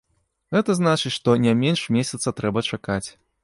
Гэта значыць, што не менш месяца трэба чакаць.